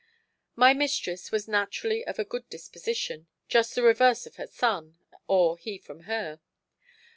My mistress was naturally of a good disposition, just the reverse of her son, or he from her.